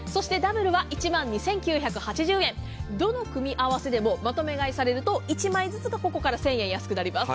どの組み合わせでもまとめ買いされると、１枚ずつここから１０００円安くなります。